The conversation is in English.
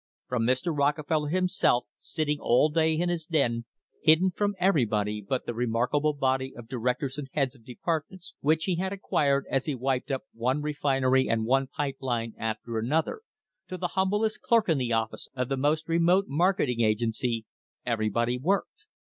From Mr. Rockefeller himself, sit ting all day in his den, hidden from everybody but the THE HISTORY OF THE STANDARD OIL COMPANY remarkable body of directors and heads of departments which he had "acquired" as he wiped up one refinery and one pipe line after another, to the humblest clerk in the office of the most remote marketing agency, everybody worked.